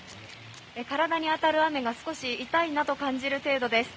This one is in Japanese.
体に当たる雨が少し痛いなと感じる程度です。